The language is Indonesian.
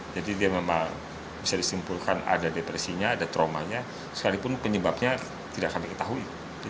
jadi dia memang bisa disimpulkan ada depresinya ada traumanya sekalipun penyebabnya tidak kami ketahui